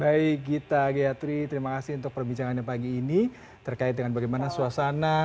baik gita gatri terima kasih untuk perbincangannya pagi ini terkait dengan bagaimana suasana